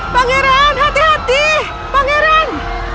pangeran hati hati pangeran